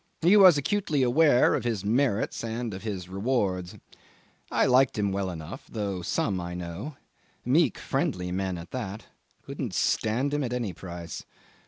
He was acutely aware of his merits and of his rewards. I liked him well enough, though some I know meek, friendly men at that couldn't stand him at any price.